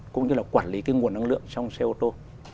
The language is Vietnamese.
cũng như là quản lý cái nguồn năng lượng trong xe ô tô